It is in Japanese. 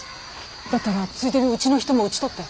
だったらついでにうちの人も討ち取って。